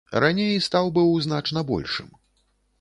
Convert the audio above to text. Раней стаў быў значна большым.